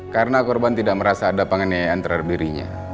karena korban tidak merasa ada penganiayaan terhadap dirinya